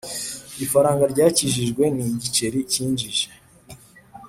ifaranga ryakijijwe ni igiceri cyinjije